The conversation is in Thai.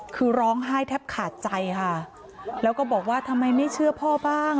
คือร้องไห้แทบขาดใจค่ะแล้วก็บอกว่าทำไมไม่เชื่อพ่อบ้าง